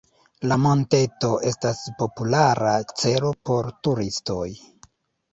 La monteto estas populara celo por turistoj.